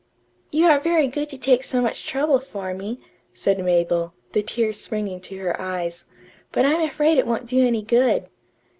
"You are very good to take so much trouble for me," said Mabel, the tears springing to her eyes; "but I'm afraid it won't do any good."